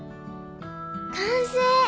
完成！